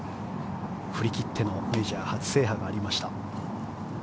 振り切ってのメジャー初制覇がありました。